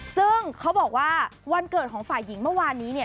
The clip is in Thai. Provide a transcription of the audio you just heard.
ซึ่งเขาบอกว่าวันเกิดของฝ่ายหญิงเมื่อวานนี้เนี่ย